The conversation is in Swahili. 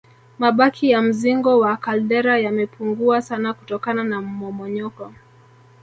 Mabaki ya mzingo wa kaldera yamepungua sana kutokana na mmomonyoko